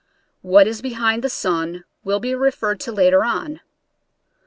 What is be hind the sun will be referred to later on.